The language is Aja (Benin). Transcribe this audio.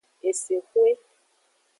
Esexwe.